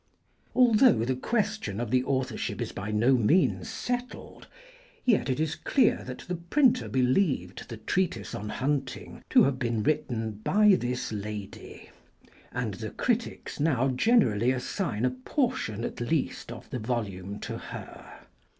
Although the question of the authorship is by no means settled, yet it is clear that the printer believed the treatise on hunting to have been written by this lady, and the critics now generally assign a portion at least of the volume to her.